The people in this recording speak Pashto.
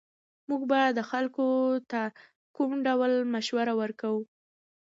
موږ به خلکو ته کوم ډول مشوره ورکوو